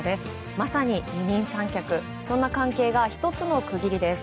まさに二人三脚そんな関係が１つの区切りです。